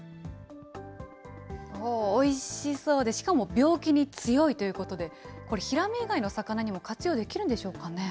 おいしそうで、しかも病気に強いということで、これ、ヒラメ以外の魚にも活用できるんでしょうかね。